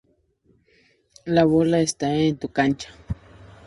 La bola está en tu cancha".